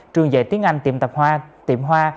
trường dạy tiếng anh tiệm tạp hoa tiệm hoa